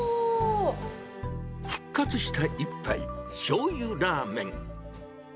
復活した一杯、しょうゆらぁめん。